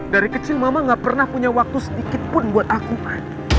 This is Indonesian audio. dari kecil mama gak pernah punya waktu sedikit pun buat aku kan